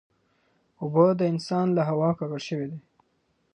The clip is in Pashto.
اوبه د انسان له خوا ککړې شوې دي.